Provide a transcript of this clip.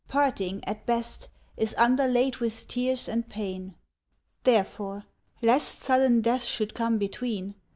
Parting, at best, is underlaid With tears and pain. Therefore, lest sudden death should come between.